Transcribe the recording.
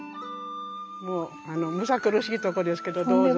むさくるしいとこですけどどうぞ。